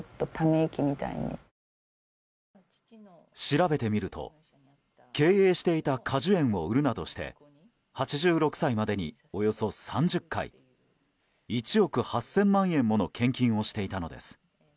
調べてみると、経営していた果樹園を売るなどして８６歳までに、およそ３０回１億８０００万円もの献金をしていたのです。